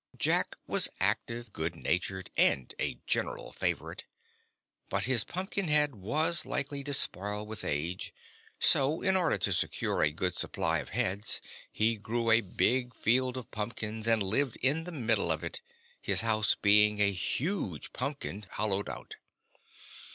Jack was active, good natured and a general favorite; but his pumpkin head was likely to spoil with age, so in order to secure a good supply of heads he grew a big field of pumpkins and lived in the middle of it, his house being a huge pumpkin hollowed out.